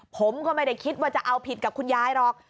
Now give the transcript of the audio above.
ผมก็ไม่ได้คิดว่าจะเอาผิดกับคุณยายหรอก